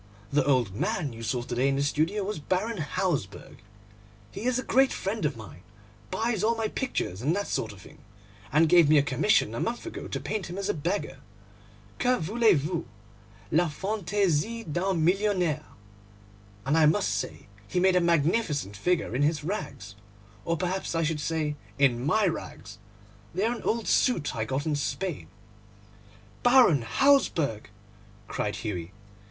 'The old man you saw to day in the studio was Baron Hausberg. He is a great friend of mine, buys all my pictures and that sort of thing, and gave me a commission a month ago to paint him as a beggar. Que voulez vous? La fantaisie d'un millionnaire! And I must say he made a magnificent figure in his rags, or perhaps I should say in my rags; they are an old suit I got in Spain.' 'Baron Hausberg!' cried Hughie.